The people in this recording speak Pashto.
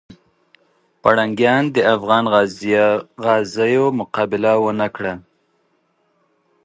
پرنګیان د افغان غازیو مقابله ونه کړه.